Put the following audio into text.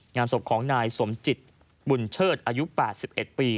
งานศพของนายสมจิตบุญเชิดอายุ๘๑ปี